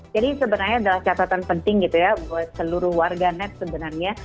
jadi sebenarnya adalah catatan penting gitu ya buat seluruh warganet sebenarnya